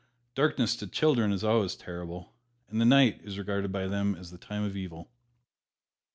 Darkness to children is always terrible, and the night is regarded by them as the time of evil.